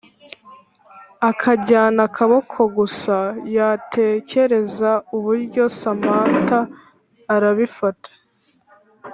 akajyana akaboko gusa yatekereza uburyo samantha arabifata